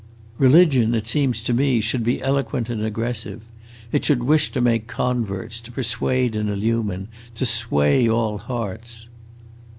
"Religion, it seems to me, should be eloquent and aggressive. It should wish to make converts, to persuade and illumine, to sway all hearts!"